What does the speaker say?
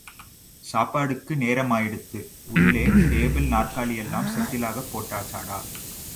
சாப்பாட்டுக்கு நேரமாயிடுத்து... உள்ளே டேபிள், நாற்காலியையெல்லாம் செட்டிலாப் போட்டாச்சாடா?.